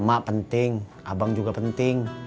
mak penting abang juga penting